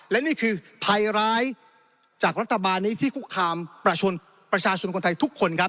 และนี่คือภัยร้ายจากรัฐบาลนี้ที่คุกคามประชาชนคนไทยทุกคนครับ